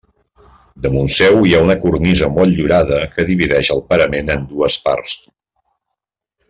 Damunt seu hi ha una cornisa motllurada que divideix el parament en dues parts.